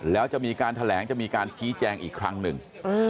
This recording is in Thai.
แล้วจะมีการแถลงจะมีการชี้แจงอีกครั้งหนึ่ง